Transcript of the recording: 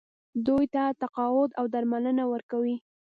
دوی ته تقاعد او درملنه ورکوي.